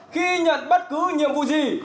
khi nhận bất cứ nhiệm vụ gì